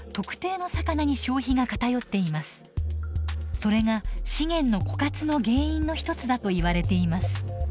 それが資源の枯渇の原因の一つだといわれています。